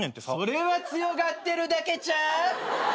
それは強がってるだけちゃう？